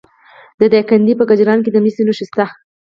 د دایکنډي په کجران کې د مسو نښې شته.